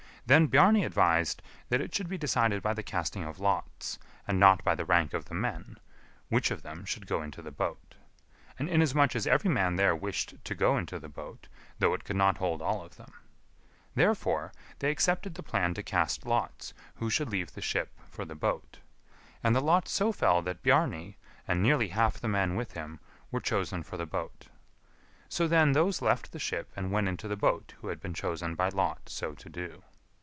Then Bjarni advised that it should be decided by the casting of lots, and not by the rank of the men, which of them should go into the boat; and inasmuch as every man there wished to go into the boat, though it could not hold all of them; therefore, they accepted the plan to cast lots who should leave the ship for the boat. And the lot so fell that Bjarni, and nearly half the men with him, were chosen for the boat. So then those left the ship and went into the boat who had been chosen by lot so to do.